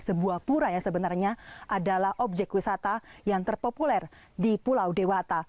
sebuah pura yang sebenarnya adalah objek wisata yang terpopuler di pulau dewata